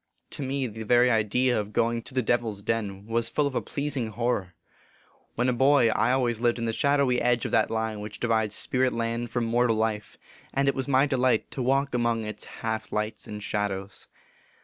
To me, the very idea of going to the Devil s Den was full of a pleasing horror. When a boy, I always lived in the shadowy edge of that line which divides spirit land from mortal life, and it was my delight to walk among its half lights and shadows.